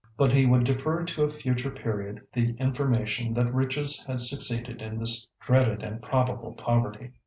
But he would defer to a future period the information that riches had succeeded to this dreaded and probable poverty.